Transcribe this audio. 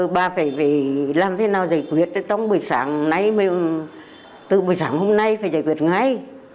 bà phải làm thế nào giải quyết trong buổi sáng nay từ buổi sáng hôm nay phải giải quyết ngay